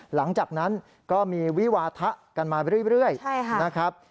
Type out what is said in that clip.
หลังจากนั้นก็มีวิวาทะกันมาเรื่อยนะครับ